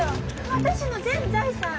私の全財産！